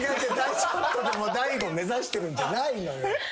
ちょっとでも大悟目指してるんじゃないのよ。